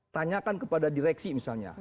tanyakan kepada direksi misalnya